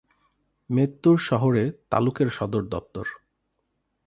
মেততুর শহরে তালুকের সদর দপ্তর।